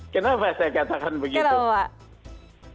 kenapa saya katakan begitu